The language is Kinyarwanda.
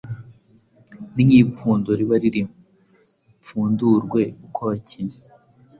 Ni nk’ipfundo riba riri bupfundurwe uko abakinnyi,